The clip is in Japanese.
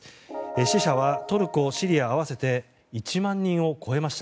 死者はトルコ、シリア合わせて１万人を超えました。